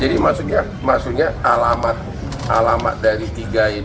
jadi maksudnya maksudnya alamat alamat dari tiga